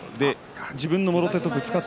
自分のもろ手とぶつかって